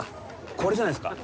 これじゃないですか？